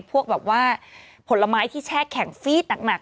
พวกแบบว่าผลไม้ที่แช่แข็งฟีดหนัก